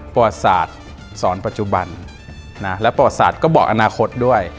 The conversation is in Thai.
ปวดศาสตร์สอนปัจจุบันและปวดศาสตร์ก็บอกอนาคตด้วย